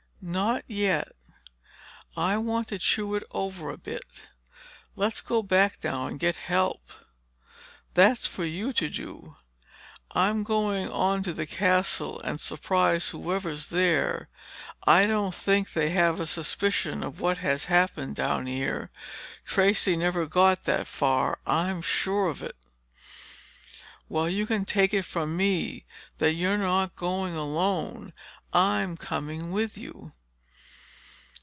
"Not yet. I want to chew it over a bit. Let's go back now and get help." "That's for you to do. I'm going on to the Castle and surprise whoever's there. I don't think they have a suspicion of what has happened down here. Tracey never got that far, I'm sure of it." "Well, you can take it from me that you're not going alone. I'm coming with you."